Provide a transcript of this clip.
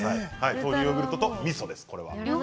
豆乳ヨーグルトとみそです。